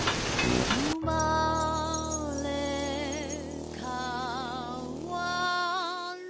「うまれかわる」